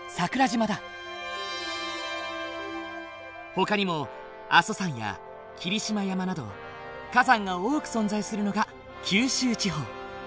ほかにも阿蘇山や霧島山など火山が多く存在するのが九州地方。